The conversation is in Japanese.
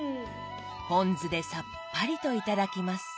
ポン酢でさっぱりと頂きます。